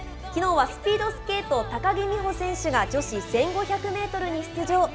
きのうはスピードスケート、高木美帆選手が女子１５００メートルに出場。